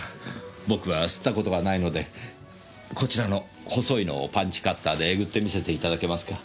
僕は吸った事がないのでこちらの細いのをパンチカッターでえぐってみせていただけますか？